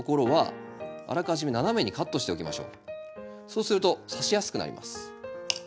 そうするとさしやすくなります。